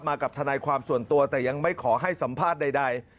กับทนายความส่วนตัวแต่ยังไม่ขอให้สัมภาษณ์ใด